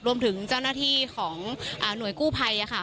รวมถึงเจ้าหน้าที่ของหน่วยกู้ภัยค่ะ